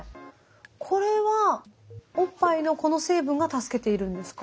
これはおっぱいのこの成分が助けているんですか？